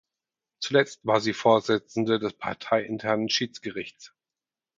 Zuletzt war sie Vorsitzende des parteiinternen Schiedsgerichts.